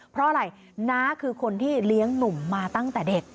เพราะอะไรน้าคือคนที่เลี้ยงหนุ่มมาตั้งแต่เด็ก